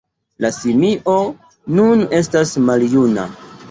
La simio nun estas maljuna.